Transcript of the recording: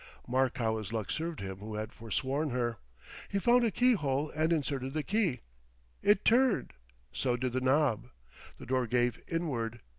Mark how his luck served him who had forsworn her! He found a keyhole and inserted the key. It turned. So did the knob. The door gave inward.